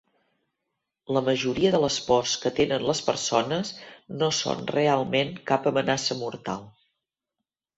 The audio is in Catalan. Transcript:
La majoria de les pors que tenen les persones no són realment cap amenaça mortal.